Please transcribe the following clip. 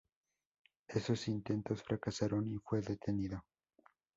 Esos intentos fracasaron y fue detenido.